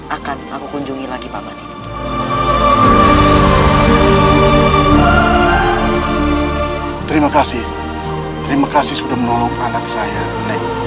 akan aku kunjungi lagi pak man ini